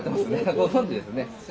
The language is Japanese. ご存じですね。